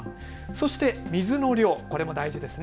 そして水の量、これも大事です。